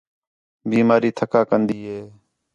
بیماری تَھکا کَندا ہے